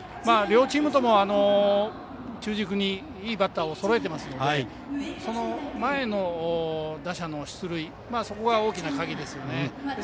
両チームとも、中軸にいいバッターをそろえているのでその前の打者の出塁が大きな鍵ですね。